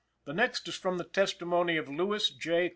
The next is from the testimony of Lewis J.